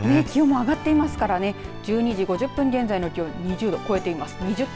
気温も上がっていますからね１２時５０分現在の気温２０度を超えています。